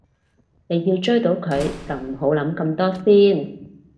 你要追到佢就唔好諗咁多先